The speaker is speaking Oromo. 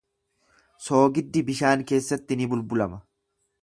Soogiddi bishaan keessatti ni bulbulama.